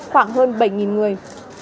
khoảng hơn bảy người